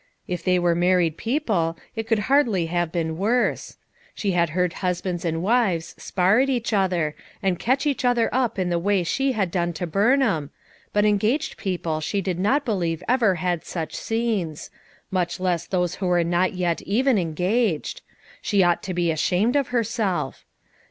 If they were mar ried people it could hardly have been worse; she had heard husbands and wives spar at each other, and catch each other up in the way she had done to Burnham, but engaged people she did not believe ever had such scenes ; much less those who were not yet even engaged; she ought to be ashamed of herself.